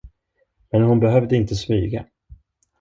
Men hon behövde inte smyga.